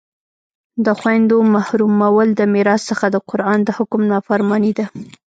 د خویندو محرومول د میراث څخه د قرآن د حکم نافرماني ده